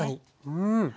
うん！